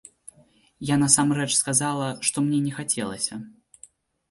Я насамрэч сказала, што мне не хацелася.